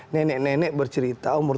nenek nenek bercerita umur tujuh puluh